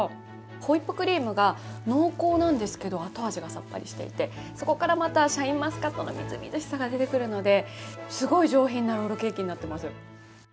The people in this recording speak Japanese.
ホイップクリームが濃厚なんですけど後味がさっぱりしていてそこからシャインマスカットのみずみずしさが出てくるのですごい上品なロールケーキになっています。